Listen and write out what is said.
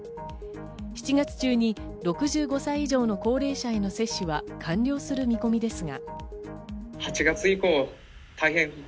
７月中に６５歳以上の高齢者への接種は完了する見込みですが。